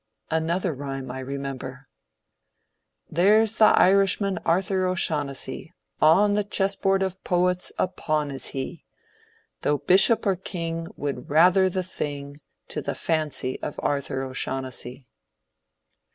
Another rhyme I remember :— There 's the Irishman Arthur O'Shaughneisy — On the chessboard of poets a pawn is he : Though bishop or king Would be rather the thing To the fancy of Arthur O'Shaughnesay.